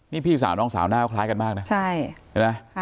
นี่พี่สาวน้องสาวน่าคล้ายกันมากนะ